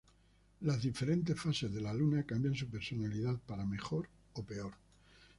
Las diferentes fases de la luna cambian su personalidad para mejor o peor.